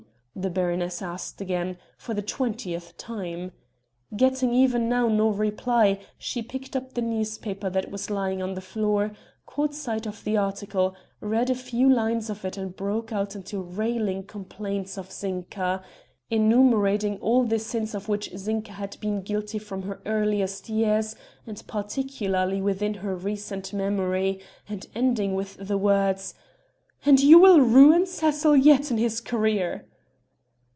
the baroness asked again, for the twentieth time. Getting, even now, no reply, she picked up the newspaper that was lying on the floor, caught sight of the article, read a few lines of it, and broke out into railing complaints of Zinka enumerating all the sins of which Zinka had been guilty from her earliest years and particularly within her recent memory, and ending with the words: "And you will ruin Cecil yet in his career."